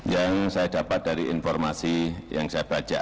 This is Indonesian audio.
yang saya dapat dari informasi yang saya baca